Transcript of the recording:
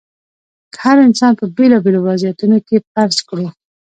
که هر انسان په بېلابېلو وضعیتونو کې فرض کړو.